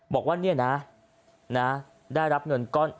บอกว่าเนี่ยนะได้รับเงินก้อน